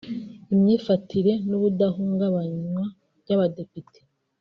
imyifatire n’ubudahungabanywa by’abadepite